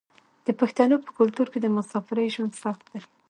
د پښتنو په کلتور کې د مسافرۍ ژوند سخت دی.